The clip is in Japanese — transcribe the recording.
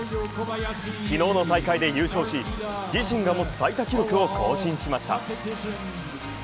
昨日の大会で優勝し、自身が持つ最多記録を更新しました。